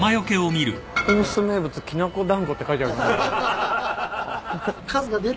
「大須名物きなこ団子」って書いてある。